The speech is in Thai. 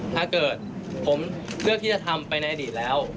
ถ้าเกิดผมเลือกที่จะทำไปในอดีตแล้ว